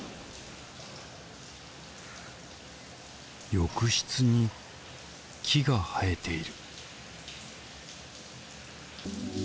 浴室に木が生えている